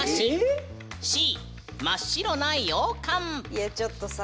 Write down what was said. いやちょっとさ